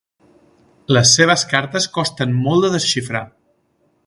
Les seves cartes costen molt de desxifrar.